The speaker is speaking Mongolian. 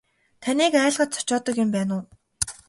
Таныг айлгаж цочоодог юм байна уу.